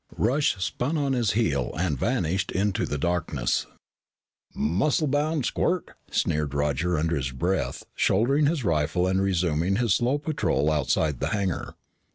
Rush spun on his heel and vanished into the darkness. "Blasted muscle bound squirt!" sneered Roger under his breath, shouldering his rifle and resuming his slow patrol outside the hangar.